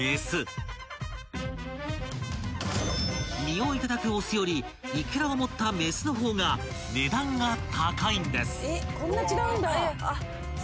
［身をいただくオスよりいくらを持ったメスの方が値段が高いんです］